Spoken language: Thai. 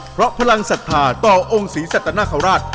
เพราะพลังศรัทธาต่อองค์ศรีสัตนคราช